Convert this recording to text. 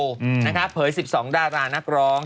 นะครับเผย๑๒ดารานักร้อง